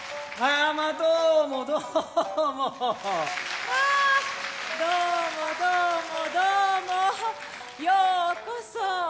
ようこそ。